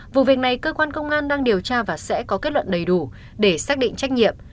vụ việc này cơ quan công an đang điều tra và sẽ có kết luận đầy đủ để xác định trách nhiệm